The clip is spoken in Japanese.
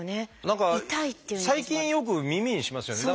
何か最近よく耳にしますよね。